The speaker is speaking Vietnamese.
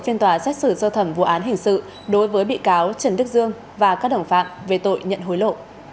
phiên tòa xét xử sơ thẩm vụ án hình sự đối với bị cáo trần đức dương và các đồng phạm về tội nhận hối lộ